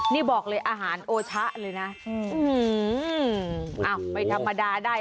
นี่บอกเลยอาหารโอชะเลยนะไม่ธรรมดาได้